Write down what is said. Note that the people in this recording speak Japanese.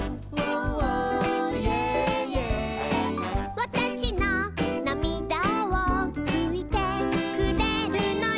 「わたしのなみだをふいてくれるのよ」